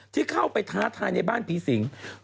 ที่เข้าไปท้าทายในบ้านผีสิง